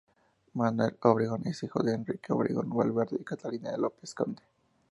Manuel Obregón es hijo de Enrique Obregón Valverde y Catalina López Conde.